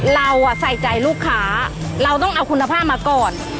เราใส่ใจลูกค้าเราต้องเอาคุณภาพมาก่อน